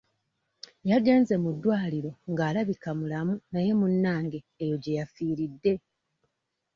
Yagenze mu ddwaliro nga alabika mulamu naye munnange eyo gye yafiiridde.